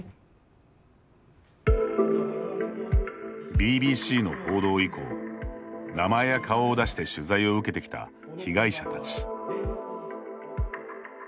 ＢＢＣの報道以降名前や顔を出して取材を受けてきた被害者たち。